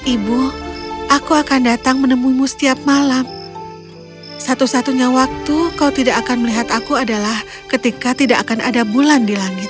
ibu aku akan datang menemuimu setiap malam satu satunya waktu kau tidak akan melihat aku adalah ketika tidak akan ada bulan di langit